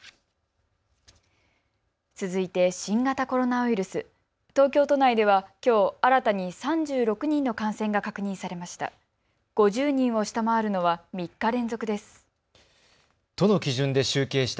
続いて新型コロナウイルス、東京都内では、きょう新たに３６人の感染が確認されました。